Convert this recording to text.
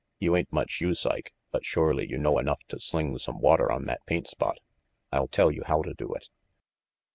You ain't much use, Ike, but surely you know enough to sling some water on that paint spot. I'll tell you how to do it."